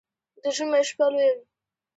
د ژمي شپه لويه وي